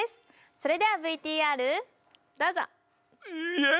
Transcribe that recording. それではＶＴＲどうぞ！ヤー！